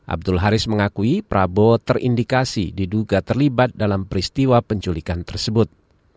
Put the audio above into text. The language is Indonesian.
abdul haris mengakui prabowo terindikasi diduga terlibat dalam peristiwa penculikan tersebut